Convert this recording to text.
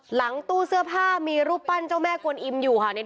หลังตู้เสื้อผ้ามีรูปปั้นเจ้าแม่กวนอิมอยู่ค่ะเนี่ย